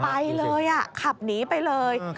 ไปเลยขับหนีไปเลย